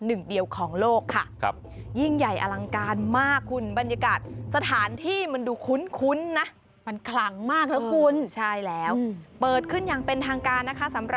หนึ่งเดียวของโลกค่ะยิ่งใหญ่อลังการมากคุณบรรยากาศ